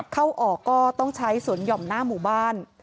เข้าออกก็ต้องใช้สวนหย่อมหน้าหมู่บ้าน